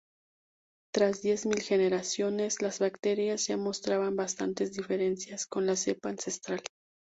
Tras diez mil generaciones, las bacterias ya mostraban bastantes diferencias con la cepa ancestral.